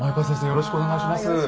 よろしくお願いします。